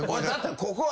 ここは。